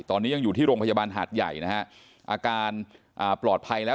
ตอนนี้ยังอยู่ที่โรงพยาบาลหาดใหญ่นะฮะอาการอ่าปลอดภัยแล้ว